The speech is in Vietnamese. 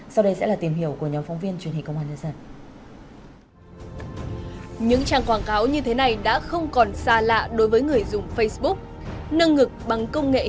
sau đây sẽ là tìm hiểu của nhóm phóng viên truyền hình công an